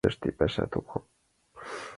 Тыште паша томам.